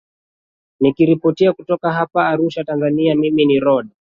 nikiripoti kutoka hapa arusha tanzania mimi ni rod